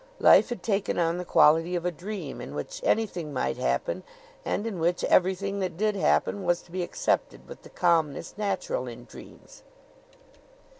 Life had taken on the quality of a dream, in which anything might happen and in which everything that did happen was to be accepted with the calmness natural in dreams.